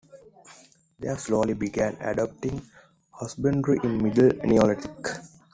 They slowly began adopting husbandry in middle Neolithic.